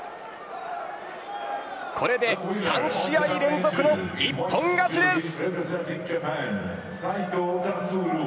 これで３試合連続の一本勝ちです。